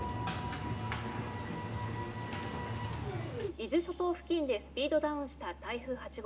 伊豆諸島付近でスピードダウンした台風８号